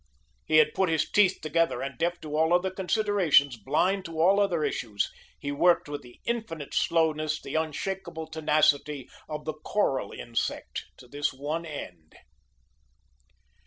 He had put his teeth together, and, deaf to all other considerations, blind to all other issues, he worked with the infinite slowness, the unshakable tenacity of the coral insect to this one end.